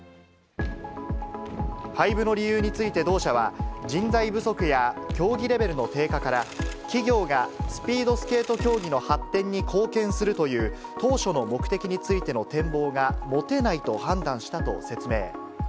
廃部の理由について同社は、人材不足や競技レベルの低下から、企業がスピードスケート競技の発展に貢献するという、当初の目的についての展望が持てないと判断したと説明。